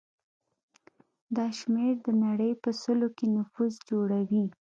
دا شمېر د نړۍ په سلو کې نفوس جوړوي.